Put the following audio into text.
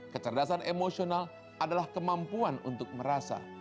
kecerdasan emosional adalah kemampuan untuk merasa